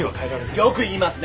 よく言いますね。